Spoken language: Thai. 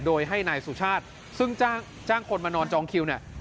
โดยให้นายสุชาติซึ่งจ้างคนมานอนจองคิวเนี่ย